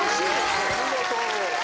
お見事。